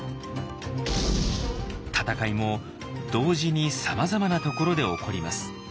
戦いも同時にさまざまなところで起こります。